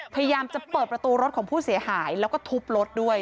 พยายามจะเปิดประตูรถของผู้เสียหายแล้วก็ทุบรถด้วย